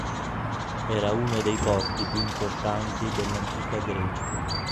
Era uno dei porti più importanti dell'antica Grecia.